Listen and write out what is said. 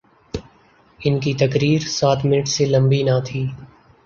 ان کی تقریر سات منٹ سے لمبی نہ تھی۔